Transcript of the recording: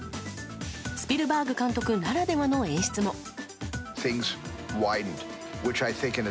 スピルバーグ監督ならではの演出も。